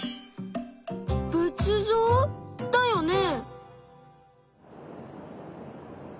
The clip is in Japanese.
仏像だよね？